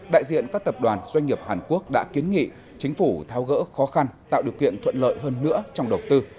đại diện các tập đoàn doanh nghiệp hàn quốc đã kiến nghị chính phủ tháo gỡ khó khăn tạo điều kiện thuận lợi hơn nữa trong đầu tư